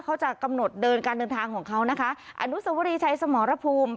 เขาจะกำหนดเดินการเดินทางของเขานะคะอนุสวรีชัยสมรภูมิ